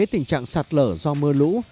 cái tình trạng sạt lở do mưa lũ